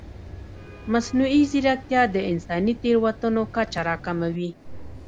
مصنوعي ځیرکتیا د انساني تېروتنو کچه راکموي.